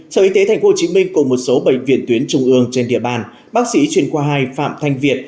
sở y tế tp hcm cùng một số bệnh viện tuyến trung ương trên địa bàn bác sĩ chuyên khoa hai phạm thanh việt